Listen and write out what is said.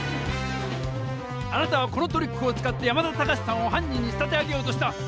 あなたはこのトリックを使って山田タカシさんを犯人に仕立て上げようとした！